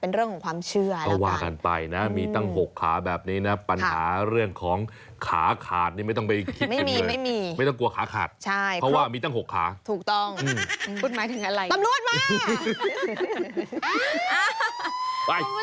เป็นใครก็ไม่ขาย